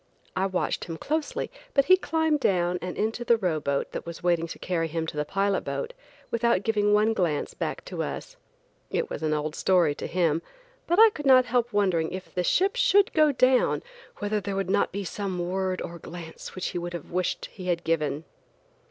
I watched him closely, but he climbed down and into the row boat, that was waiting to carry him to the pilot boat, without giving one glance back to us. It was an old story to him, but I could not help wondering if the ship should go down, whether there would not be some word or glance he would wish he had given.